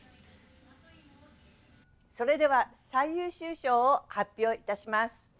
それでは最優秀賞を発表いたします。